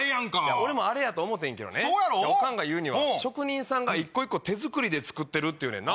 俺もあれやと思うてんけどねオカンが言うには職人さんが一個一個手作りで作ってるって言うねんな。